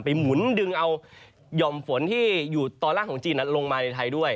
หมุนดึงเอาหย่อมฝนที่อยู่ตอนล่างของจีนลงมาในไทยด้วย